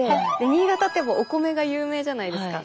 新潟といえばお米が有名じゃないですか。